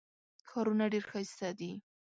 ښارونه ډېر ښایسته دي.